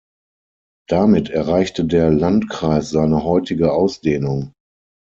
Damit erreichte der Landkreis seine heutige Ausdehnung.